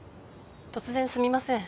突然すみません。